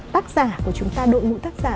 tác giả của chúng ta đội ngũ tác giả